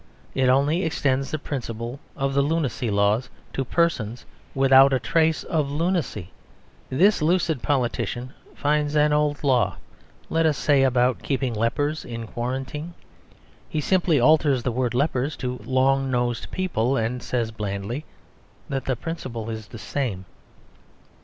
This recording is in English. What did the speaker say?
It only extends the principles of the Lunacy Laws to persons without a trace of lunacy." This lucid politician finds an old law, let us say, about keeping lepers in quarantine. He simply alters the word "lepers" to "long nosed people," and says blandly that the principle is the same.